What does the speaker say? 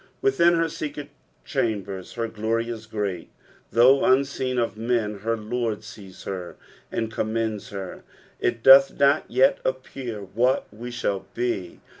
Within her secret chambers her glory is great. Though unseen of men her Lord sees her, and commends her. "It doth not yet appear what we shall be.